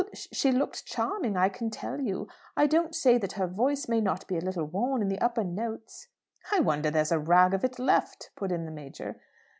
'" "She looked charming, I can tell you. I don't say that her voice may not be a little worn in the upper notes " "I wonder there's a rag of it left," put in the Major.